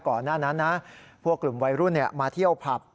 ก่อนหน้านั้นนะพวกกลุ่มวัยรุ่นมาเที่ยวผับ